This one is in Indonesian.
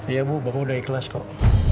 iya bu bapak udah ikhlas kok